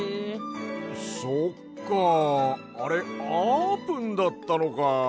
そっかあれあーぷんだったのか。